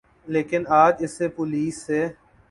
لیکن اج اسے پولیس سے